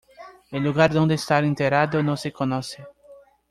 El lugar donde está enterrado no se conoce.